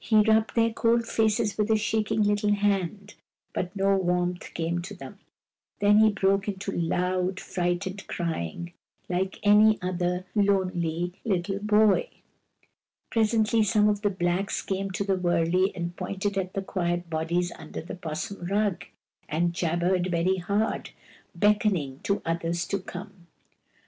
He rubbed their cold faces with a shaking little hand, but no warmth came to them. Then he broke into loud, frightened crying, like any other lonely little boy. Presently some of the blacks came to the wur ley and pointed at the quiet bodies under the 'pos sum rug, and jabbered very hard, beckoning to others to come.